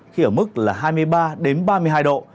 khi ở mức là hai mươi ba ba mươi hai độ